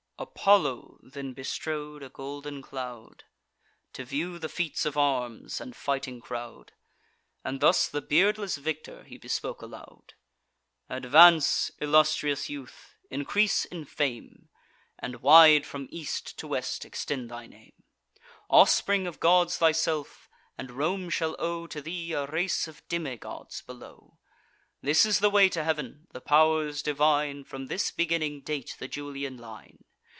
Apollo then bestrode a golden cloud, To view the feats of arms, and fighting crowd; And thus the beardless victor he bespoke aloud: "Advance, illustrious youth, increase in fame, And wide from east to west extend thy name; Offspring of gods thyself; and Rome shall owe To thee a race of demigods below. This is the way to heav'n: the pow'rs divine From this beginning date the Julian line.